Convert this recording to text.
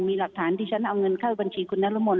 มีหลักฐานที่ฉันเอาเงินเข้าบัญชีคุณนรมน